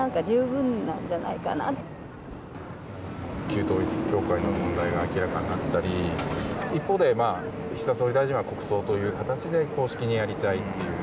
旧統一教会の問題が明らかになったり一方で岸田総理大臣は国葬という形で公式にやりたいという。